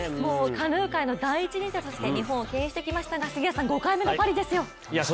カヌー界の第一人者として日本をけん引してきましたが、杉谷さん、５回目のパリですよ。